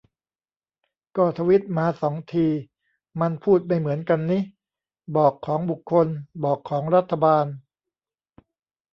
ก็ทวีตมาสองที มันพูดไม่เหมือนกันนิ : บอกของบุคคล ; บอกของรัฐบาล